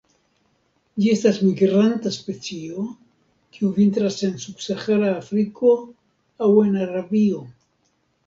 Ĝi estas migranta specio, kiu vintras en subsahara Afriko aŭ en Arabio.